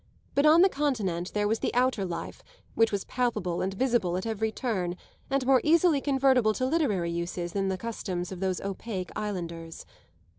But on the Continent there was the outer life, which was palpable and visible at every turn, and more easily convertible to literary uses than the customs of those opaque islanders.